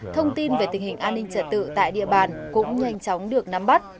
thông tin về tình hình an ninh trật tự tại địa bàn cũng nhanh chóng được nắm bắt